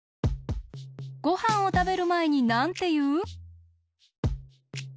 ごはんをたべるまえになんていう？